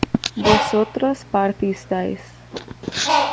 vosotras partisteis